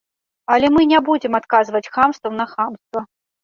Але мы не будзем адказваць хамствам на хамства.